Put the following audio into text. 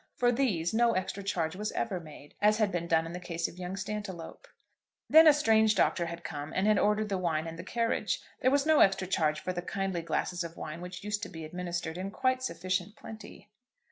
For these no extra charge was ever made, as had been done in the case of young Stantiloup. Then a strange doctor had come, and had ordered the wine and the carriage. There was no extra charge for the kindly glasses of wine which used to be administered in quite sufficient plenty.